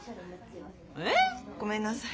えっ？ごめんなさい。